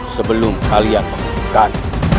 sebelum kalian menghentikan